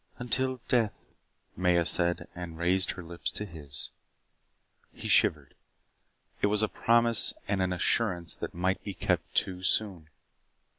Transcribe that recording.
"Until death " Maya said and raised her lips to his. He shivered. It was a promise and an assurance that might be kept too soon.